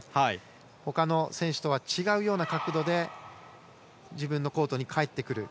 他の選手とは違う角度で自分のコートに返ってくる。